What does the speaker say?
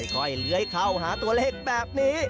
ค่อยเลื้อยเข้าหาตัวเลขแบบนี้